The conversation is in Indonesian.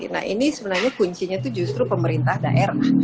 nah ini sebenarnya kuncinya itu justru pemerintah daerah